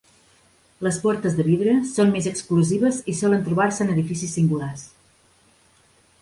Les portes de vidre són més exclusives i solen trobar-se en edificis singulars.